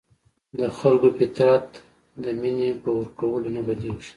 د بدو خلکو فطرت د مینې په ورکولو نه بدلیږي.